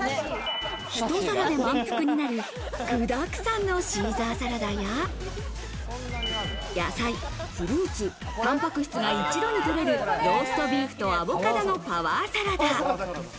ひと皿で満腹になる具だくさんのシーザーサラダや、野菜、フルーツ、タンパク質が一度に取れるローストビーフとアボカドのパワーサラダ。